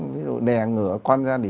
ví dụ đè ngửa con ra để xịt